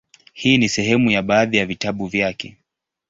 Hii ni sehemu ya baadhi ya vitabu vyake;